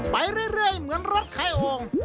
ไปเรื่อยเหมือนรถไขโอ่ง